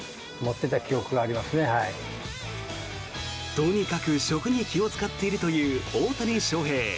とにかく食に気を使っているという大谷翔平。